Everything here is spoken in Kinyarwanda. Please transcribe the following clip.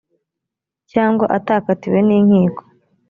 cyangwa atakatiwe n’inkiko